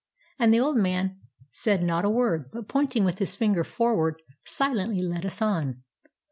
And the old man said not a word, but pointing with his finger forward, silently led us on.